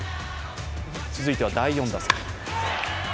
続いては第４打席。